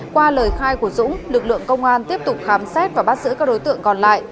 qua lời khai của dũng lực lượng công an tiếp tục khám xét và bắt giữ các đối tượng còn lại